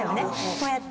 こうやって。